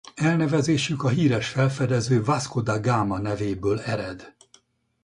Elnevezésük a híres felfedező Vasco da Gama nevéből ered.